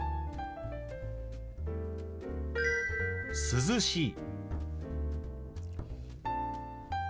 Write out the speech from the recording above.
「涼しい」。